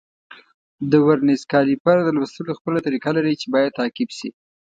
د ورنیز کالیپر د لوستلو خپله طریقه لري چې باید تعقیب شي.